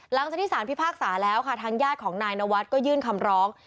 หลังจากที่สารพิพากษาแล้วค่ะทางญาติของนายนวัฒน์ก็ยื่นคำร้อง